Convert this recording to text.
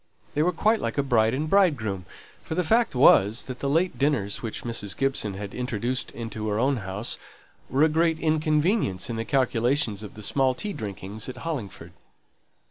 They were quite like bride and bridegroom; for the fact was, that the late dinners which Mrs. Gibson had introduced into her own house, were a great inconvenience in the calculations of the small tea drinkings at Hollingford.